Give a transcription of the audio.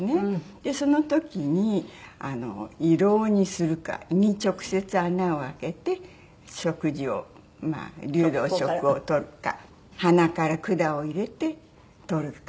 でその時に胃ろうにするか胃に直接穴を開けて食事を流動食を取るか鼻から管を入れて取るか。